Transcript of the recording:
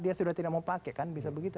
dia sudah tidak mau pakai kan bisa begitu